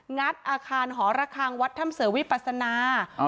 ัดอาคารหอระคังวัดถ้ำเสือวิปัสนา